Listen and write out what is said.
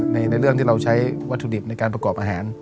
ในเรื่องที่เราใช้วัตถุดิบในการประกอบอาหาร